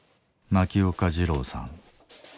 牧岡二郎さん。